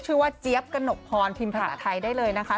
ชื่อว่าเจ๊บกระหนบพรพิมพ์ภาคไทยได้เลยนะคะ